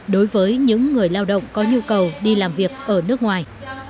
đối với những người lao động có nhu cầu đi làm việc ở nước ngoài